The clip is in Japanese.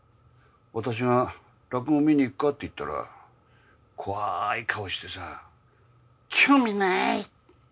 私が落語観にいくかって言ったら怖い顔してさ興味ない。